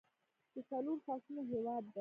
د څلورو فصلونو هیواد دی.